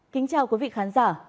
kính chào quý vị khán giả